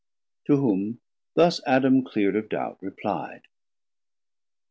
To whom thus Adam cleerd of doubt, repli'd.